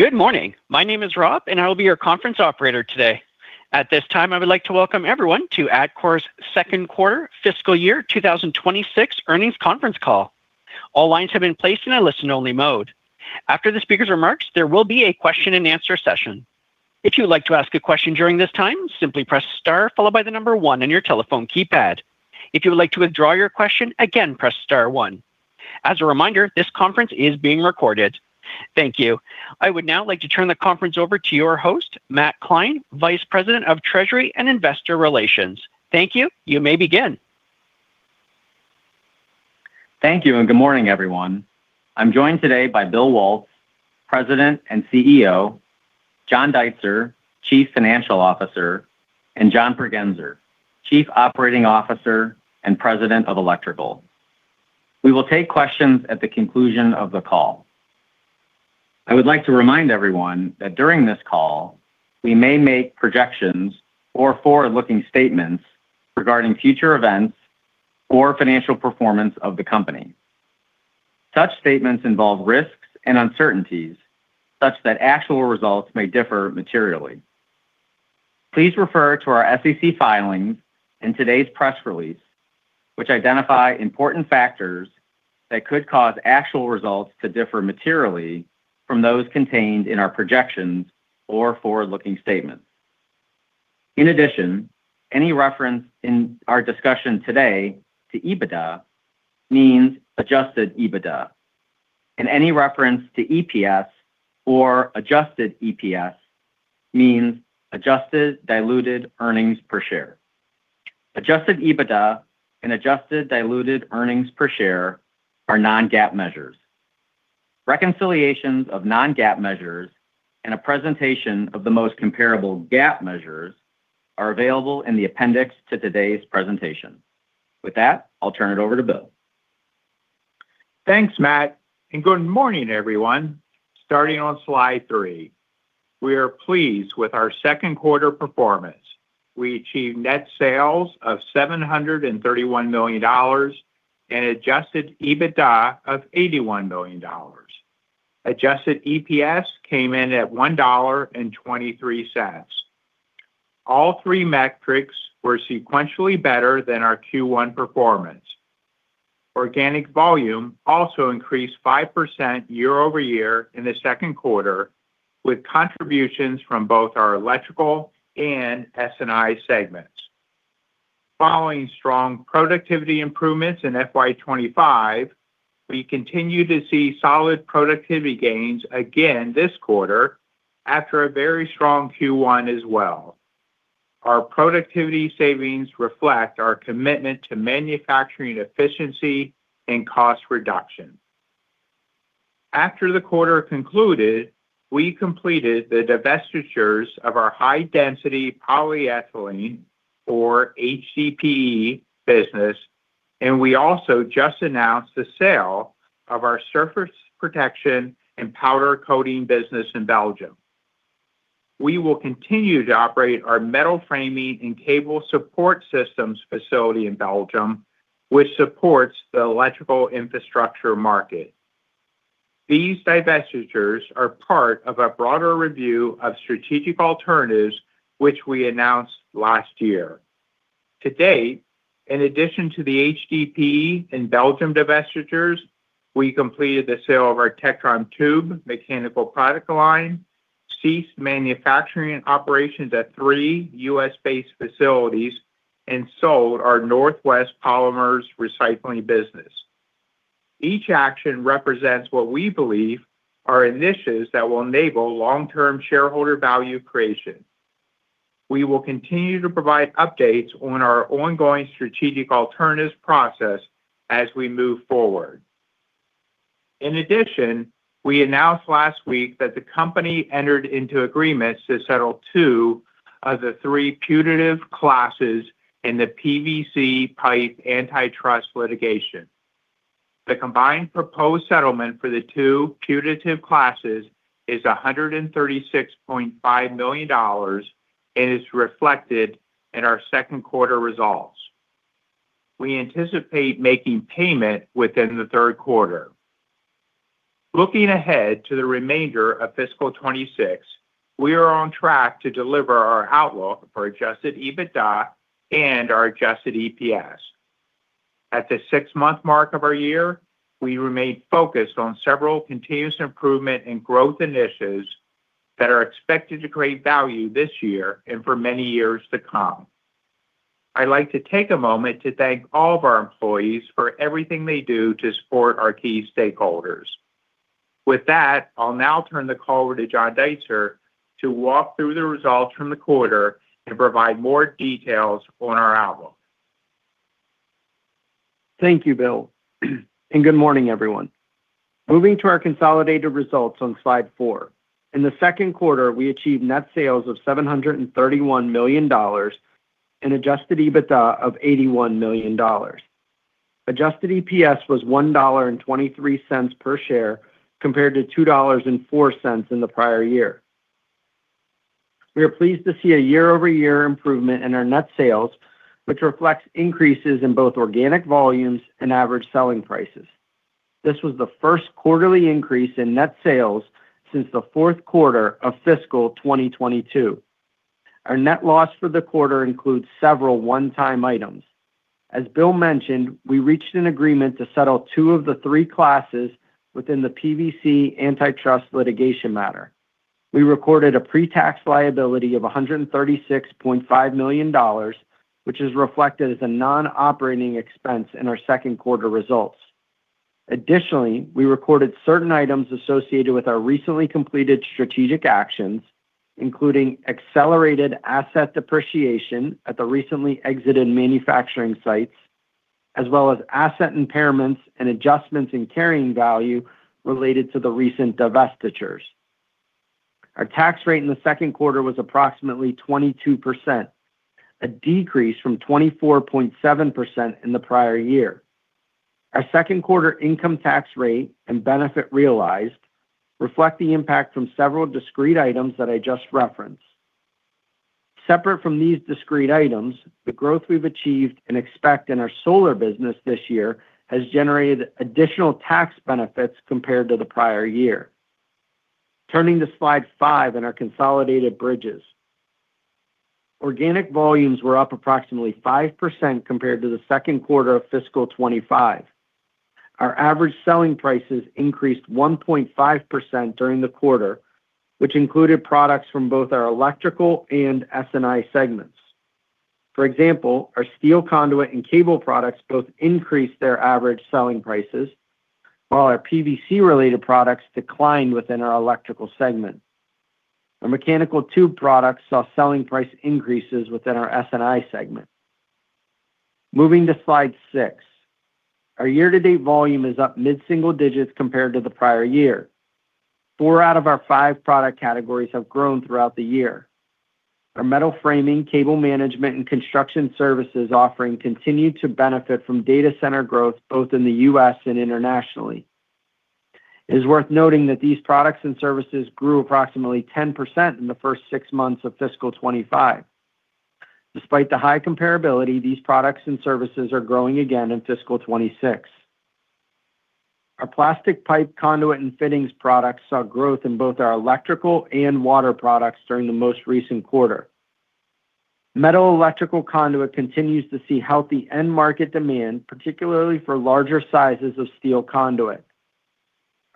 Good morning. My name is Rob, and I will be your conference operator today. At this time, I would like to welcome everyone to Atkore's second quarter fiscal year 2026 earnings conference call. All lines have been placed in a listen-only mode. After the speaker's remarks, there will be a question-and-answer session. If you would like to ask a question during this time, simply press star followed by the number one on your telephone keypad. If you would like to withdraw your question, again, press star one. As a reminder, this conference is being recorded. Thank you. I would now like to turn the conference over to your host, Matt Kline, Vice President of Treasury and Investor Relations. Thank you. You may begin. Thank you. Good morning, everyone. I'm joined today by Bill Waltz, President and CEO, John Deitzer, Chief Financial Officer, and John Pregenzer, Chief Operating Officer and President of Electrical. We will take questions at the conclusion of the call. I would like to remind everyone that during this call, we may make projections or forward-looking statements regarding future events or financial performance of the company. Such statements involve risks and uncertainties such that actual results may differ materially. Please refer to our SEC filings in today's press release, which identify important factors that could cause actual results to differ materially from those contained in our projections or forward-looking statements. In addition, any reference in our discussion today to EBITDA means Adjusted EBITDA, and any reference to EPS or adjusted EPS means adjusted diluted earnings per share. Adjusted EBITDA and adjusted diluted earnings per share are non-GAAP measures. Reconciliations of non-GAAP measures and a presentation of the most comparable GAAP measures are available in the appendix to today's presentation. With that, I'll turn it over to Bill. Thanks, Matt, and good morning, everyone. Starting on slide three. We are pleased with our second quarter performance. We achieved net sales of $731 million and Adjusted EBITDA of $81 million. Adjusted EPS came in at $1.23. All three metrics were sequentially better than our Q1 performance. Organic volume also increased 5% year-over-year in the second quarter, with contributions from both our Electrical and S&I segments. Following strong productivity improvements in FY 2025, we continue to see solid productivity gains again this quarter after a very strong Q1 as well. Our productivity savings reflect our commitment to manufacturing efficiency and cost reduction. After the quarter concluded, we completed the divestitures of our high-density polyethylene or HDPE business, and we also just announced the sale of our surface protection and powder coating business in Belgium. We will continue to operate our metal framing and cable support systems facility in Belgium, which supports the electrical infrastructure market. These divestitures are part of a broader review of strategic alternatives, which we announced last year. To date, in addition to the HDPE and Belgium divestitures, we completed the sale of our Tectron tube mechanical product line, ceased manufacturing operations at three U.S.-based facilities, and sold our Northwest Polymers recycling business. Each action represents what we believe are initiatives that will enable long-term shareholder value creation. We will continue to provide updates on our ongoing strategic alternatives process as we move forward. In addition, we announced last week that the company entered into agreements to settle two of the three putative classes in the PVC Pipe Antitrust Litigation. The combined proposed settlement for the two putative classes is $136.5 million and is reflected in our second quarter results. We anticipate making payment within the third quarter. Looking ahead to the remainder of fiscal 2026, we are on track to deliver our outlook for Adjusted EBITDA and our adjusted EPS. At the six-month mark of our year, we remain focused on several continuous improvement and growth initiatives that are expected to create value this year and for many years to come. I'd like to take a moment to thank all of our employees for everything they do to support our key stakeholders. With that, I'll now turn the call over to John Deitzer to walk through the results from the quarter and provide more details on our outlook. Thank you, Bill, and good morning, everyone. Moving to our consolidated results on slide four. In the second quarter, we achieved net sales of $731 million and Adjusted EBITDA of $81 million. Adjusted EPS was $1.23 per share, compared to $2.04 in the prior year. We are pleased to see a year-over-year improvement in our net sales, which reflects increases in both organic volumes and average selling prices. This was the first quarterly increase in net sales since the fourth quarter of fiscal 2022. Our net loss for the quarter includes several one-time items. As Bill mentioned, we reached an agreement to settle two of the three classes within the PVC Antitrust Litigation matter. We recorded a pre-tax liability of $136.5 million, which is reflected as a non-operating expense in our second quarter results. We recorded certain items associated with our recently completed strategic actions, including accelerated asset depreciation at the recently exited manufacturing sites, as well as asset impairments and adjustments in carrying value related to the recent divestitures. Our tax rate in the second quarter was approximately 22%, a decrease from 24.7% in the prior year. Our second quarter income tax rate and benefit realized reflect the impact from several discrete items that I just referenced. Separate from these discrete items, the growth we've achieved and expect in our solar business this year has generated additional tax benefits compared to the prior year. Turning to slide five in our consolidated bridges. Organic volumes were up approximately 5% compared to the second quarter of fiscal 2025. Our average selling prices increased 1.5% during the quarter, which included products from both our Electrical and S&I segments. For example, our steel conduit and cable products both increased their average selling prices, while our PVC-related products declined within our Electrical segment. Our mechanical tube products saw selling price increases within our S&I segment. Moving to slide six. Our year-to-date volume is up mid-single digits compared to the prior year. Four out of our five product categories have grown throughout the year. Our Metal Framing, Cable Management, and Construction Services offering continued to benefit from data center growth, both in the U.S. and internationally. It is worth noting that these products and services grew approximately 10% in the first six months of fiscal 2025. Despite the high comparability, these products and services are growing again in fiscal 2026. Our Plastic Pipe, Conduit, and Fittings products saw growth in both our electrical and water products during the most recent quarter. Metal Electrical Conduit continues to see healthy end market demand, particularly for larger sizes of steel conduit.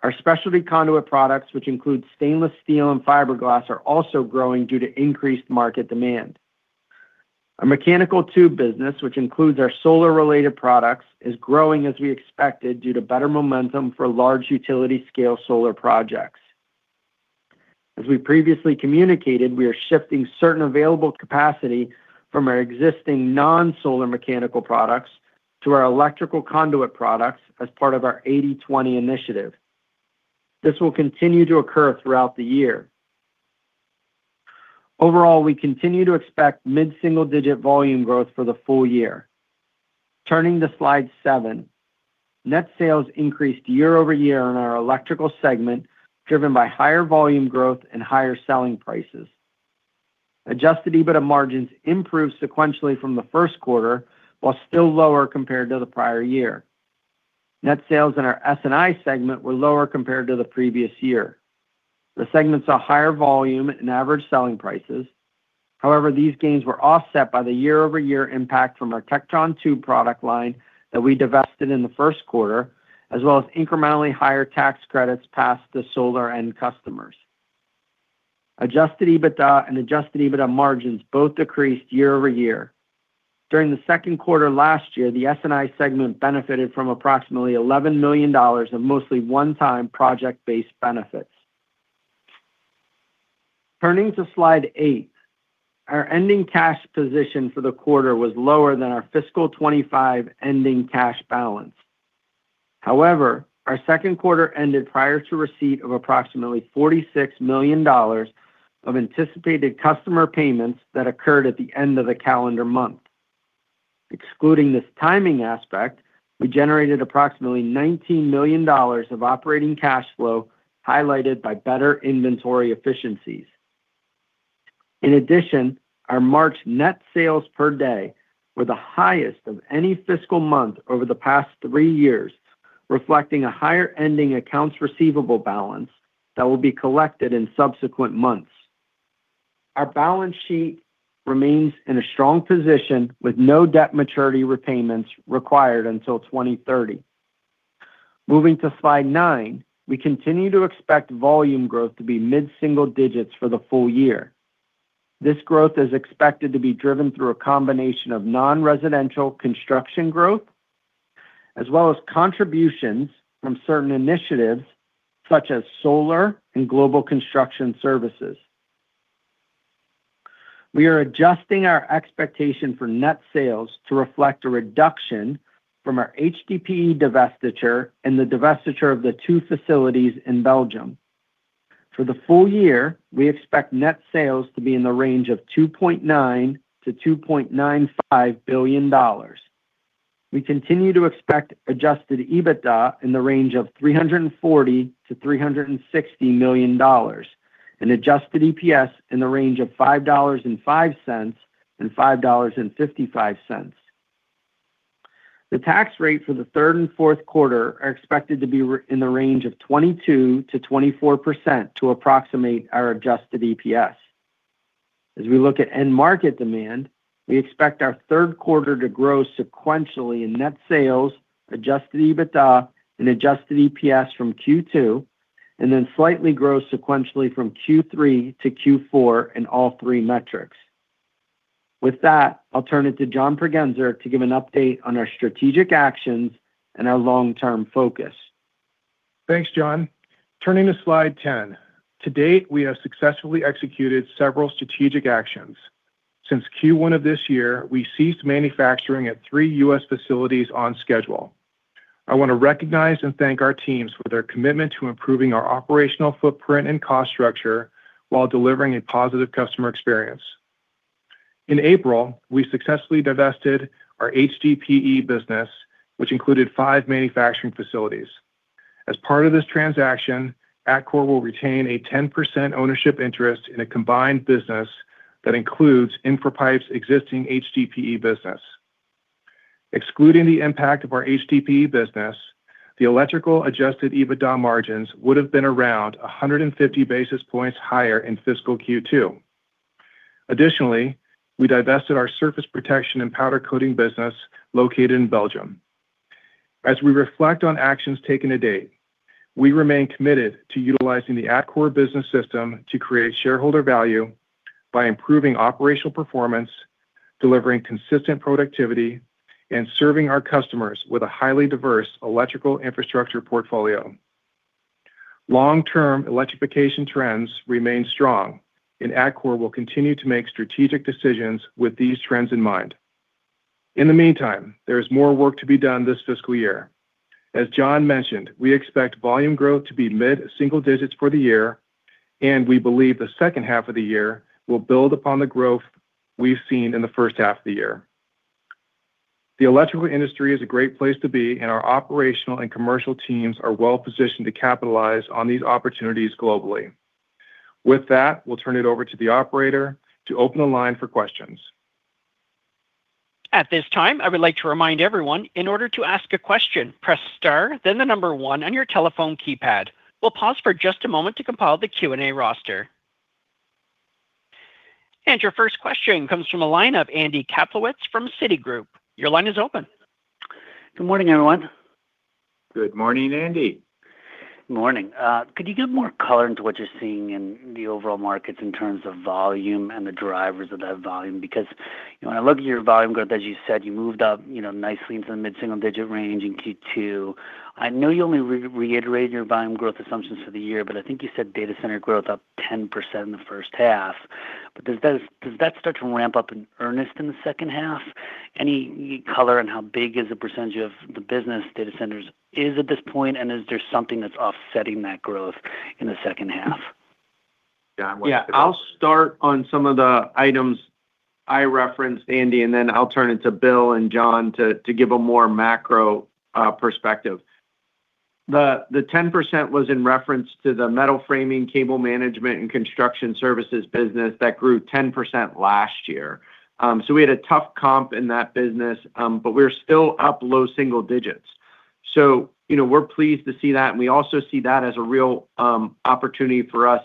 Our specialty conduit products, which include stainless steel and fiberglass, are also growing due to increased market demand. Our Mechanical Tube business, which includes our solar-related products, is growing as we expected due to better momentum for large utility scale solar projects. As we previously communicated, we are shifting certain available capacity from our existing non-solar mechanical products to our electrical conduit products as part of our 80/20 initiative. This will continue to occur throughout the year. Overall, we continue to expect mid-single-digit volume growth for the full year. Turning to slide seven. Net sales increased year-over-year in our Electrical segment, driven by higher volume growth and higher selling prices. Adjusted EBITDA margins improved sequentially from the first quarter, while still lower compared to the prior year. Net sales in our S&I segment were lower compared to the previous year. The segment saw higher volume and average selling prices. However, these gains were offset by the year-over-year impact from our Tectron tube product line that we divested in the first quarter, as well as incrementally higher tax credits passed to solar end customers. Adjusted EBITDA and Adjusted EBITDA margins both decreased year-over-year. During the second quarter last year, the S&I segment benefited from approximately $11 million of mostly one-time project-based benefits. Turning to slide eight. Our ending cash position for the quarter was lower than our fiscal 2025 ending cash balance. However, our second quarter ended prior to receipt of approximately $46 million of anticipated customer payments that occurred at the end of the calendar month. Excluding this timing aspect, we generated approximately $19 million of operating cash flow, highlighted by better inventory efficiencies. In addition, our March net sales per day were the highest of any fiscal month over the past three years, reflecting a higher ending accounts receivable balance that will be collected in subsequent months. Our balance sheet remains in a strong position with no debt maturity repayments required until 2030. Moving to slide nine. We continue to expect volume growth to be mid-single digits for the full year. This growth is expected to be driven through a combination of non-residential construction growth as well as contributions from certain initiatives such as solar and global construction services. We are adjusting our expectation for net sales to reflect a reduction from our HDPE divestiture and the divestiture of the two facilities in Belgium. For the full year, we expect net sales to be in the range of $2.9 billion-$2.95 billion. We continue to expect Adjusted EBITDA in the range of $340 million-$360 million and adjusted EPS in the range of $5.05 and $5.55. The tax rate for the third and fourth quarter are expected to be in the range of 22%-24% to approximate our adjusted EPS. As we look at end market demand, we expect our third quarter to grow sequentially in net sales, Adjusted EBITDA and adjusted EPS from Q2, and then slightly grow sequentially from Q3 to Q4 in all three metrics. With that, I'll turn it to John Pregenzer to give an update on our strategic actions and our long-term focus. Thanks, John. Turning to slide 10. To date, we have successfully executed several strategic actions. Since Q1 of this year, we ceased manufacturing at three U.S. facilities on schedule. I wanna recognize and thank our teams for their commitment to improving our operational footprint and cost structure while delivering a positive customer experience. In April, we successfully divested our HDPE business, which included five manufacturing facilities. As part of this transaction, Atkore will retain a 10% ownership interest in a combined business that includes Infra Pipes' existing HDPE business. Excluding the impact of our HDPE business, the Electrical Adjusted EBITDA margins would have been around 150 basis points higher in fiscal Q2. Additionally, we divested our surface protection and powder coating business located in Belgium. As we reflect on actions taken to date, we remain committed to utilizing the Atkore Business System to create shareholder value by improving operational performance, delivering consistent productivity, and serving our customers with a highly diverse electrical infrastructure portfolio. Long-term electrification trends remain strong, and Atkore will continue to make strategic decisions with these trends in mind. In the meantime, there is more work to be done this fiscal year. As John mentioned, we expect volume growth to be mid-single digits for the year, and we believe the second half of the year will build upon the growth we've seen in the first half of the year. The electrical industry is a great place to be, and our operational and commercial teams are well-positioned to capitalize on these opportunities globally. With that, we'll turn it over to the operator to open the line for questions. We'll pause for just a moment to compile the Q&A roster. Your first question comes from a line of Andy Kaplowitz from Citigroup. Your line is open. Good morning, everyone. Good morning, Andy. Morning. Could you give more color into what you're seeing in the overall markets in terms of volume and the drivers of that volume? When I look at your volume growth, as you said, you moved up, you know, nicely into the mid-single-digit range in Q2. I know you only reiterated your volume growth assumptions for the year, I think you said data center growth up 10% in the first half. Does that start to ramp up in earnest in the second half? Any color on how big is the percentage of the business data centers is at this point? Is there something that's offsetting that growth in the second half? John, why don't you— Yeah, I'll start on some of the items I referenced, Andy, and then I'll turn it to Bill and John to give a more macro perspective. The 10% was in reference to the Metal Framing, Cable Management, and Construction Services business that grew 10% last year. We had a tough comp in that business, but we're still up low single digits. You know, we're pleased to see that, and we also see that as a real opportunity for us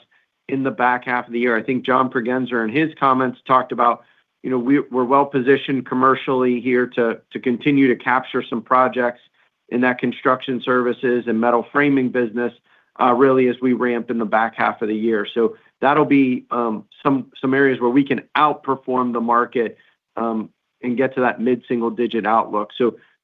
in the back half of the year. I think John Pregenzer, in his comments, talked about, you know, we're well-positioned commercially here to continue to capture some projects in that construction services and metal framing business really as we ramp in the back half of the year. That'll be some areas where we can outperform the market and get to that mid-single-digit outlook.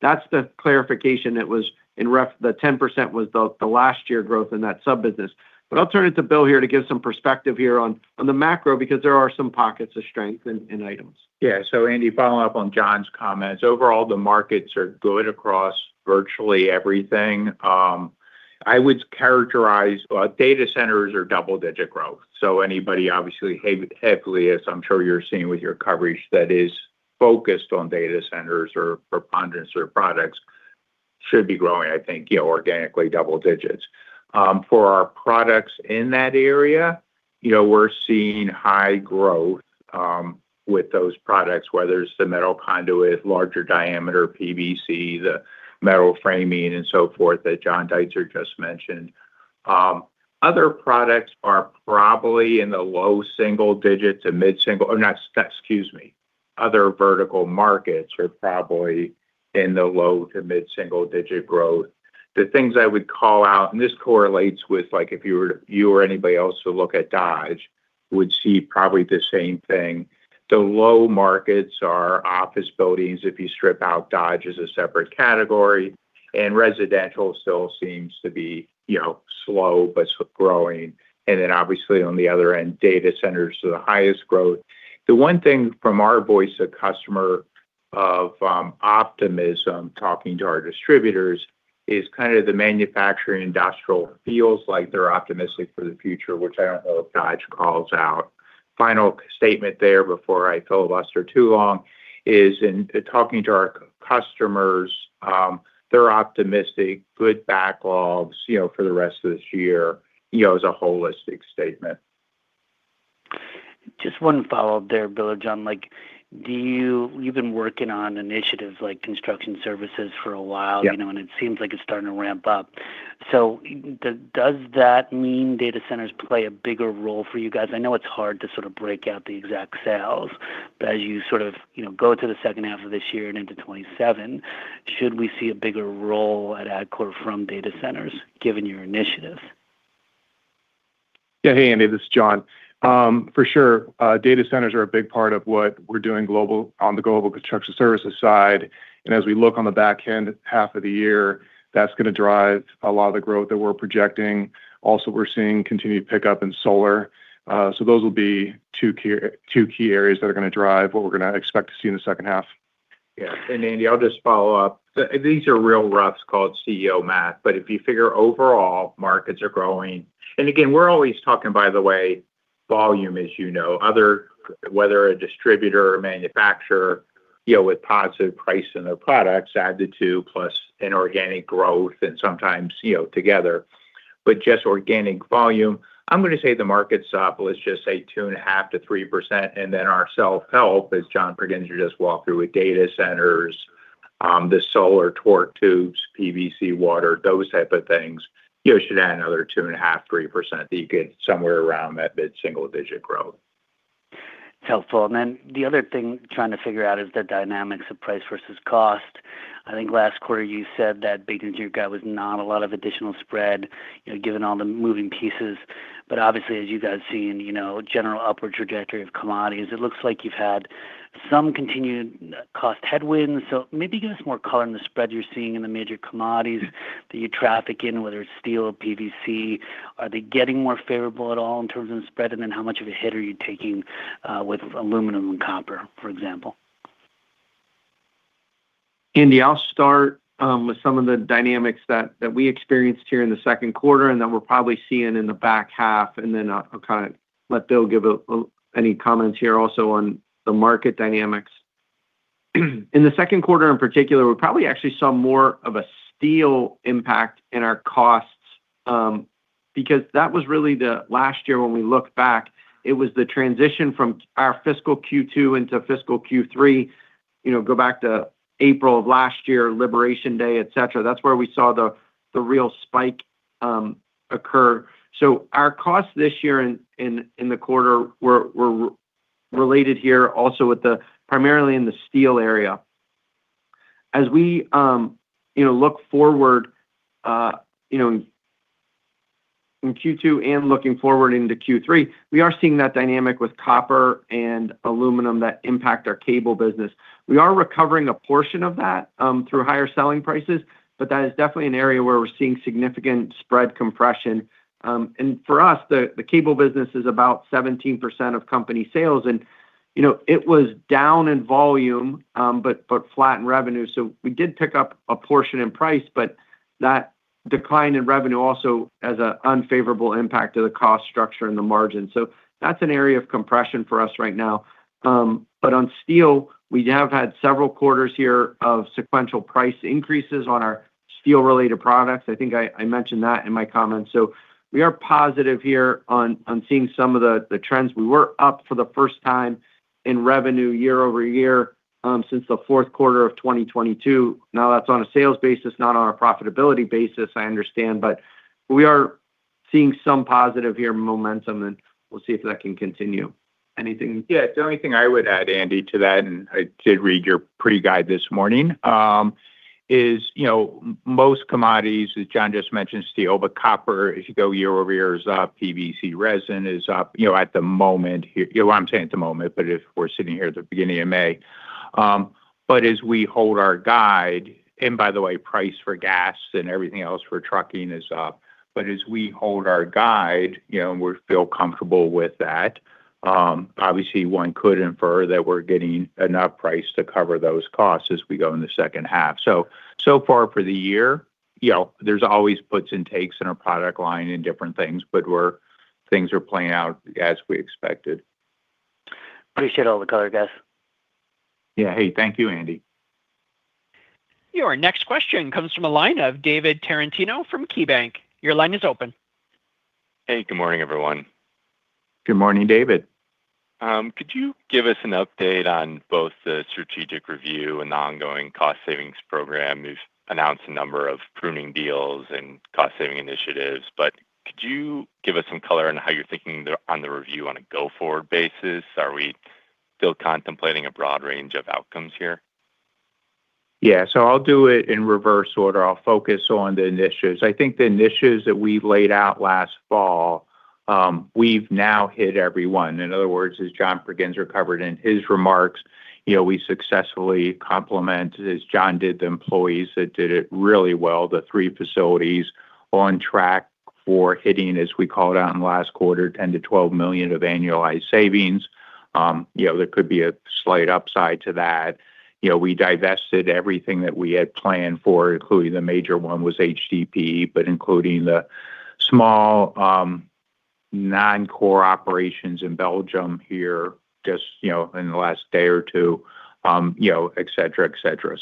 That's the clarification that was in. The 10% was the last year growth in that sub-business. I'll turn it to Bill here to give some perspective here on the macro, because there are some pockets of strength in items. Andy, following up on John's comments, overall, the markets are good across virtually everything. I would characterize data centers are double-digit growth. Anybody obviously heavily, as I'm sure you're seeing with your coverage, that is focused on data centers or preponderance of products should be growing, I think, you know, organically double digits. For our products in that area, you know, we're seeing high growth with those products, whether it's the metal conduit, larger diameter PVC, the metal framing and so forth that John Deitzer just mentioned. Other products are probably in the low single digits, excuse me, other vertical markets are probably in the low to mid-single-digit growth. The things I would call out, this correlates with, like, if you or anybody else who look at Dodge would see probably the same thing. The low markets are office buildings, if you strip out Dodge as a separate category, residential still seems to be, you know, slow but growing. Obviously on the other end, data centers are the highest growth. The one thing from our voice of customer of optimism, talking to our distributors is kind of the manufacturing industrial feels like they're optimistic for the future, which I don't know if Dodge calls out. Final statement there before I filibuster too long is in talking to our customers, they're optimistic. Good backlogs, you know, for the rest of this year, you know, as a holistic statement. Just one follow-up there, Bill or John. Like, You've been working on initiatives like construction services for a while. You know, it seems like it's starting to ramp up. Does that mean data centers play a bigger role for you guys? I know it's hard to sort of break out the exact sales, but as you sort of, you know, go to the second half of this year and into 2027, should we see a bigger role at Atkore from data centers given your initiatives? Yeah. Hey, Andy, this is John. For sure, data centers are a big part of what we're doing on the global construction services side. As we look on the back-end half of the year, that's gonna drive a lot of the growth that we're projecting. Also, we're seeing continued pickup in solar. Those will be two key areas that are gonna drive what we're gonna expect to see in the second half. Yeah. Andy, I'll just follow up. These are real rough, it's called CEO math. If you figure overall markets are growing again, we're always talking, by the way, volume, as you know. Whether a distributor or manufacturer, you know, with positive pricing of products, add the two plus inorganic growth and sometimes, you know, together. Just organic volume, I'm gonna say the market's up, let's just say 2.5%-3%. Then our self-help, as John Pregenzer covered as you just walk through with data centers, the solar torque tubes, PVC water, those type of things, you know, should add another 2.5%-3% that you get somewhere around that mid-single digit growth. Helpful. Then the other thing trying to figure out is the dynamics of price versus cost. I think last quarter you said that based on JIT guide was not a lot of additional spread, you know, given all the moving pieces. Obviously, as you guys seen, you know, general upward trajectory of commodities, it looks like you've had some continued cost headwinds. Maybe give us more color on the spread you're seeing in the major commodities that you traffic in, whether it's steel or PVC. Are they getting more favorable at all in terms of the spread? Then how much of a hit are you taking with aluminum and copper, for example? Andy, I'll start with some of the dynamics that we experienced here in the second quarter and that we're probably seeing in the back half, and then I'll kinda let Bill give any comments here also on the market dynamics. In the second quarter, in particular, we probably actually saw more of a steel impact in our costs, because that was really last year when we looked back, it was the transition from our fiscal Q2 into fiscal Q3. You know, go back to April of last year, Liberation Day, et cetera. That's where we saw the real spike occur. Our costs this year in the quarter were related here also with primarily in the steel area. As we, you know, look forward, you know, in Q2 and looking forward into Q3, we are seeing that dynamic with copper and aluminum that impact our cable business. We are recovering a portion of that through higher selling prices, but that is definitely an area where we're seeing significant spread compression. For us, the cable business is about 17% of company sales. You know, it was down in volume, but flat in revenue. We did pick up a portion in price, but that decline in revenue also has an unfavorable impact to the cost structure and the margin. That's an area of compression for us right now. On steel, we have had several quarters here of sequential price increases on our steel-related products. I think I mentioned that in my comments. We are positive here on seeing some of the trends. We were up for the first time in revenue year-over-year since the fourth quarter of 2022. That's on a sales basis, not on a profitability basis, I understand. We are seeing some positive here momentum, and we'll see if that can continue. The only thing I would add, Andy, to that, and I did read your pre-guide this morning, is, you know, most commodities, as John just mentioned, steel, but copper, if you go year-over-year, is up. PVC resin is up, you know, at the moment here. I'm saying at the moment, but if we're sitting here at the beginning of May. As we hold our guide, and by the way, price for gas and everything else for trucking is up. As we hold our guide, you know, and we feel comfortable with that, obviously, one could infer that we're getting enough price to cover those costs as we go in the second half. So far for the year, you know, there's always puts and takes in our product line and different things, but things are playing out as we expected. Appreciate all the color, guys. Yeah. Hey, thank you, Andy. Your next question comes from the line of David Tarantino from KeyBanc. Your line is open. Hey, good morning, everyone. Good morning, David. Could you give us an update on both the strategic review and the ongoing cost savings program? You've announced a number of pruning deals and cost-saving initiatives, could you give us some color on how you're thinking on the review on a go-forward basis? Are we still contemplating a broad range of outcomes here? Yeah. I'll do it in reverse order. I'll focus on the initiatives. I think the initiatives that we laid out last fall, we've now hit every one. In other words, as John Pregenzer covered in his remarks, you know, we successfully complement, as John did, the employees that did it really well. The three facilities on track for hitting, as we called out in the last quarter, $10 million-$12 million of annualized savings. You know, there could be a slight upside to that. You know, we divested everything that we had planned for, including the major one was HDPE, but including the small, non-core operations in Belgium here just, you know, in the last day or two, you know, et cetera, et cetera.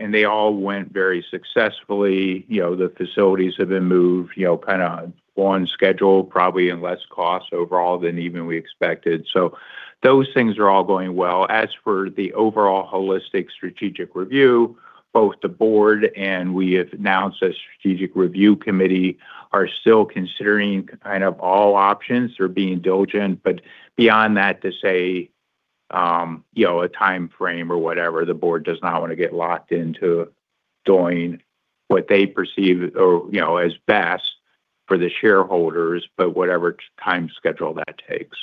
And they all went very successfully. You know, the facilities have been moved, you know, kind of on schedule, probably in less cost overall than even we expected. Those things are all going well. As for the overall holistic strategic review, both the board and we have announced a strategic review committee are still considering kind of all options. They're being diligent. Beyond that, to say, you know, a timeframe or whatever, the board does not wanna get locked into doing what they perceive or, you know, as best for the shareholders, but whatever time schedule that takes.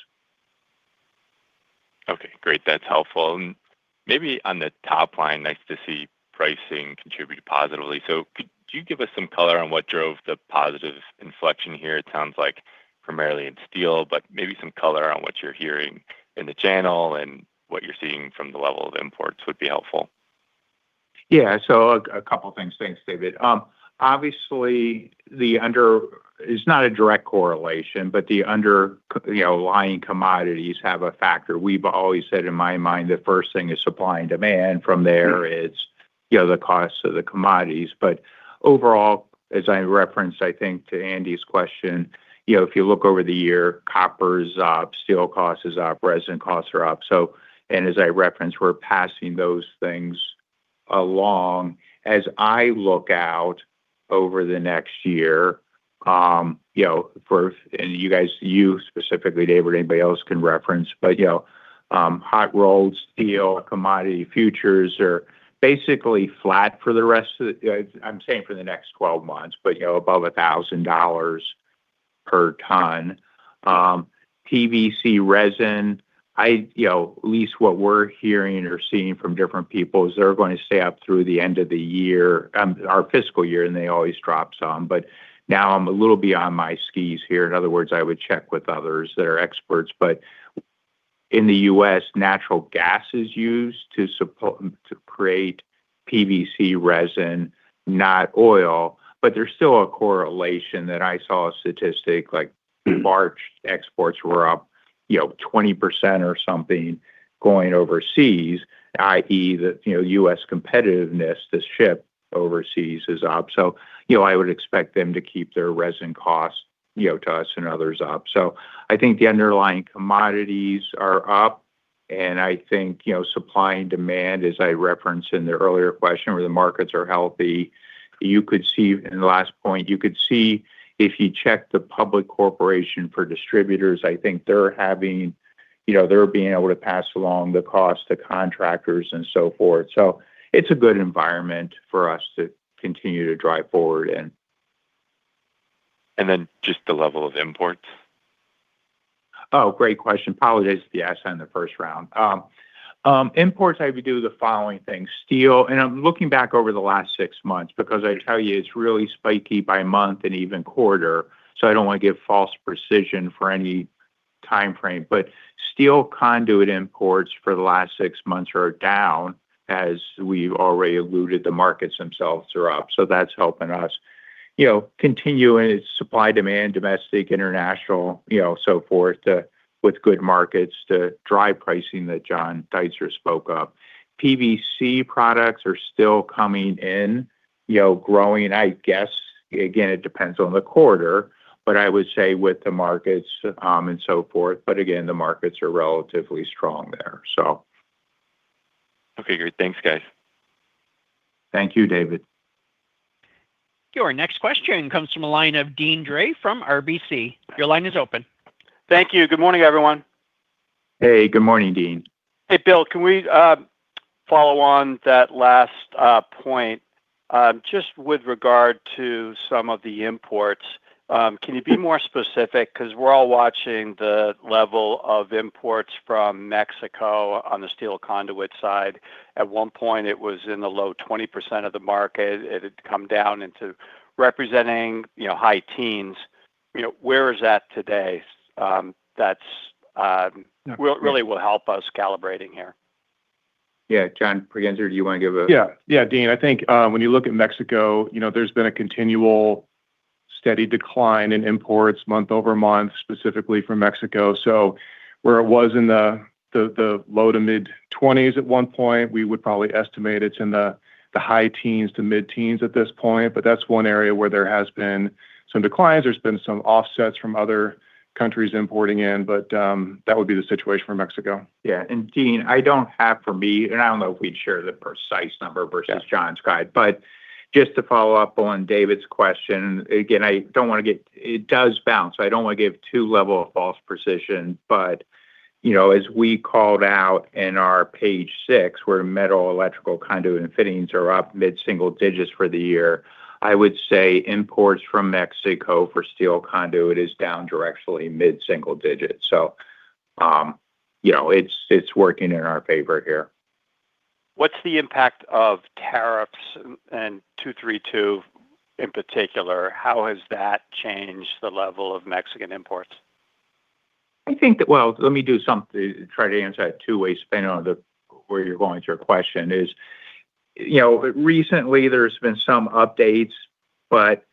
Okay, great. That's helpful. Maybe on the top line, nice to see pricing contributed positively. Could you give us some color on what drove the positive inflection here? It sounds like primarily in steel, but maybe some color on what you're hearing in the channel and what you're seeing from the level of imports would be helpful. Yeah. A couple things. Thanks, David. Obviously, it's not a direct correlation, but the underlying commodities have a factor. We've always said in my mind, the first thing is supply and demand from there, it's, you know, the cost of the commodities. Overall, as I referenced, I think to Andy's question, you know, if you look over the year, copper's up, steel cost is up, resin costs are up. As I referenced, we're passing those things along. As I look out over the next year, you know, you guys, you specifically, David, anybody else can reference, but, you know, hot rolled steel, commodity futures are basically flat. I'm saying for the next 12 months, but, you know, above $1,000 per ton. PVC resin, I, you know, at least what we're hearing or seeing from different people is they're gonna stay up through the end of the year, our fiscal year. They always drop some. Now I'm a little beyond my skis here. In other words, I would check with others that are experts. In the U.S., natural gas is used to create PVC resin, not oil. There's still a correlation that I saw a statistic. March exports were up, you know, 20% or something going overseas, i.e., the, you know, U.S. competitiveness, this ship overseas is up. I would expect them to keep their resin costs, you know, to us and others up. I think the underlying commodities are up, and I think, you know, supply and demand, as I referenced in the earlier question, where the markets are healthy. And the last point, you could see if you check the public corporation for distributors, I think they're having, you know, they're being able to pass along the cost to contractors and so forth. It's a good environment for us to continue to drive forward. And just the level of imports? Oh, great question. Apologize if you asked that in the first round. Imports, I would do the following things. Steel, and I'm looking back over the last six months because I tell you it's really spiky by month and even quarter, so I don't wanna give false precision for any timeframe. Steel conduit imports for the last six months are down. As we've already alluded, the markets themselves are up, so that's helping us. You know, continuing its supply-demand, domestic, international, you know, so forth, with good markets to drive pricing that John Deitzer spoke of. PVC products are still coming in, you know, growing. I guess, again, it depends on the quarter, but I would say with the markets, and so forth. Again, the markets are relatively strong there. Okay, great. Thanks, guys. Thank you, David. Your next question comes from a line of Deane Dray from RBC. Your line is open. Thank you. Good morning, everyone. Hey, good morning, Deane. Hey, Bill. Can we follow on that last point, just with regard to some of the imports? Can you be more specific? 'Cause we're all watching the level of imports from Mexico on the steel conduit side. At one point, it was in the low 20% of the market. It had come down into representing, you know, high-teens. You know, where is that today? Yeah. That's, really will help us calibrating here. Yeah. John Pregenzer, do you wanna give a? Yeah. Yeah, Deane, I think, when you look at Mexico, you know, there's been a continual steady decline in imports month-over-month, specifically from Mexico. Where it was in the low to mid-20s at one point, we would probably estimate it's in the high-teens to mid-teens at this point. That's one area where there has been some declines. There's been some offsets from other countries importing in, that would be the situation for Mexico. Yeah. Deane, I don't have for me, and I don't know if we'd share the precise number versus— Yeah. —John's guide. Just to follow up on David's question, again, I don't wanna give too level of false precision. You know, as we called out in our page six, where Metal, Electrical Conduit, and Fittings are up mid-single digits for the year, I would say imports from Mexico for steel conduit is down directionally mid-single digits. You know, it's working in our favor here. What's the impact of tariffs and 232 in particular? How has that changed the level of Mexican imports? I think that Well, let me do something to try to answer that two-way spin on the, where you're going with your question is, you know, recently there's been some updates, but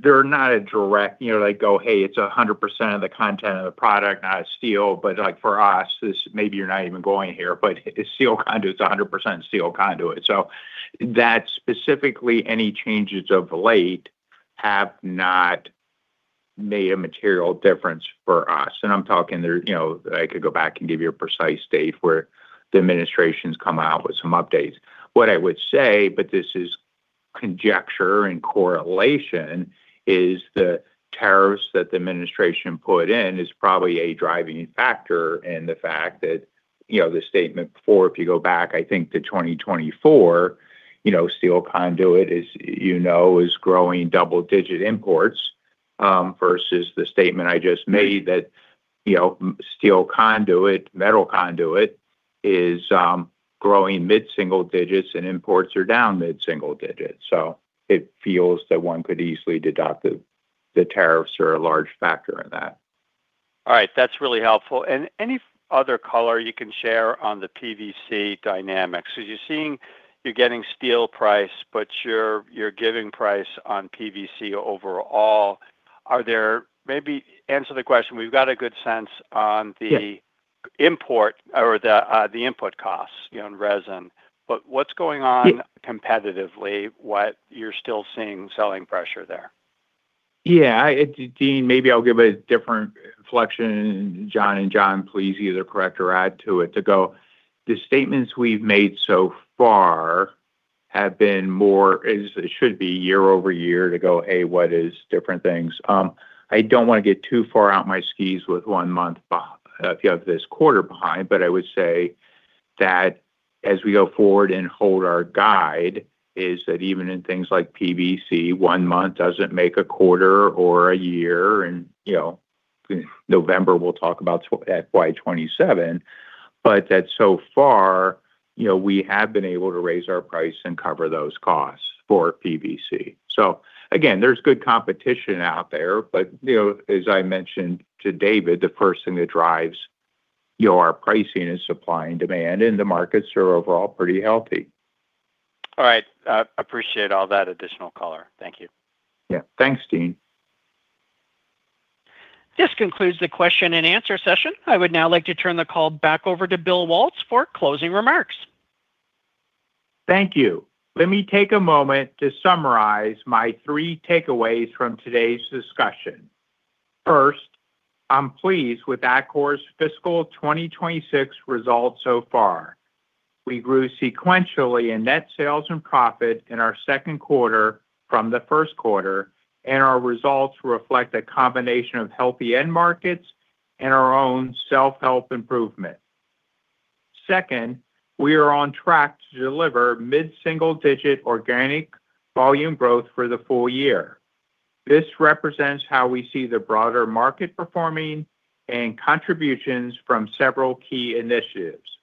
they're not a direct, you know, like go, "Hey, it's 100% of the content of the product, not steel." Like for us, this, maybe you're not even going here, but steel conduit is 100% steel conduit. That specifically any changes of late have not made a material difference for us. I'm talking there, you know, I could go back and give you a precise date where the administration's come out with some updates. What I would say, but this is conjecture and correlation, is the tariffs that the administration put in is probably a driving factor in the fact that, you know, the statement before, if you go back, I think to 2024, you know, steel conduit is, you know, is growing double-digit imports, versus the statement I just made that, you know, steel conduit, metal conduit is growing mid-single digits and imports are down mid-single digits. It feels that one could easily deduct the tariffs are a large factor in that. All right. That's really helpful. Any other color you can share on the PVC dynamics? You're seeing you're getting steel price, but you're giving price on PVC overall. Maybe answer the question, you've got a good sense on the— Yeah. —import or the input costs, you know, in resin. What's going on— Yeah. —competitively? What you're still seeing selling pressure there? Yeah. Deane, maybe I'll give a different inflection. John and John, please either correct or add to it to go. The statements we've made so far have been more, as it should be year-over-year, to go, "Hey, what is different things?" I don't wanna get too far out my skis with one month if you have this quarter behind. I would say that as we go forward and hold our guide, is that even in things like PVC, one month doesn't make a quarter or a year. You know, November, we'll talk about at FY 2027. That so far, you know, we have been able to raise our price and cover those costs for PVC. Again, there's good competition out there. You know, as I mentioned to David, the person that drives your pricing is supply and demand, and the markets are overall pretty healthy. All right. I appreciate all that additional color. Thank you. Yeah. Thanks, Deane. This concludes the question-and-answer session. I would now like to turn the call back over to Bill Waltz for closing remarks. Thank you. Let me take a moment to summarize my three takeaways from today's discussion. First, I'm pleased with Atkore's fiscal 2026 results so far. We grew sequentially in net sales and profit in our second quarter from the first quarter, and our results reflect a combination of healthy end markets and our own self-help improvement. Second, we are on track to deliver mid-single-digit organic volume growth for the full year. This represents how we see the broader market performing and contributions from several key initiatives.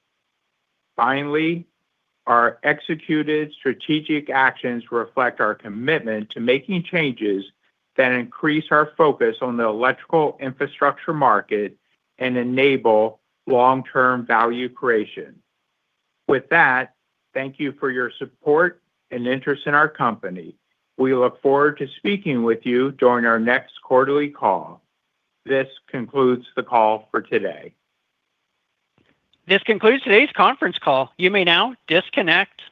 Finally, our executed strategic actions reflect our commitment to making changes that increase our focus on the electrical infrastructure market and enable long-term value creation. With that, thank you for your support and interest in our company. We look forward to speaking with you during our next quarterly call. This concludes the call for today. This concludes today's conference call. You may now disconnect.